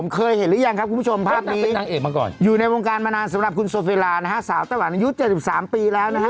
เคยเห็นหรือยังครับคุณผู้ชมภาพนี้นางเอกมาก่อนอยู่ในวงการมานานสำหรับคุณโซเฟลานะฮะสาวไต้หวันอายุ๗๓ปีแล้วนะฮะ